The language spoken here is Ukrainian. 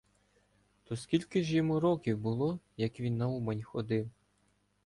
— То скільки ж йому років було, як він на Умань ходив?